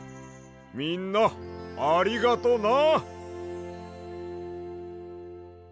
みんなありがとな。